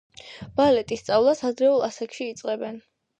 ბალეტის სწავლას ადრეულ ასაკში იწყებენ.